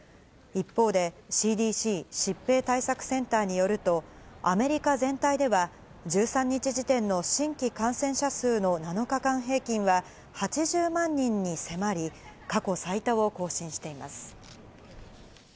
一方で、ＣＤＣ・疾病対策センターによると、アメリカ全体では、１３日時点の新規感染者数の７日間平均は８０万人に迫り、過去最多を更新しています。